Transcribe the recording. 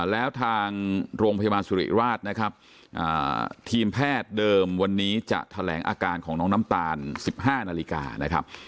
แล้วทางโรงพยาบาลสุริราชนะครับทีมแพทย์เดิมวันนี้จะแถลงอาการของน้องน้ำตาล๑๕นาฬิกานะครับ